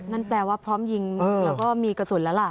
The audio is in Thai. นั่นแปลว่าพร้อมยิงแล้วก็มีกระสุนแล้วล่ะ